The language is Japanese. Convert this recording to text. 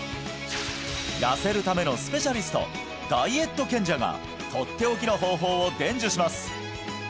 痩せるためのスペシャリストダイエット賢者がとっておきの方法を伝授します